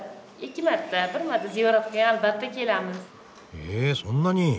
へえそんなに。